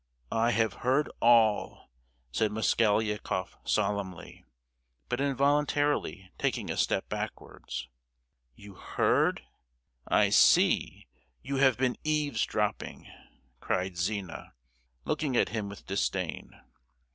"I have heard all!" said Mosgliakoff solemnly, but involuntarily taking a step backwards. "You heard? I see—you have been eavesdropping!" cried Zina, looking at him with disdain.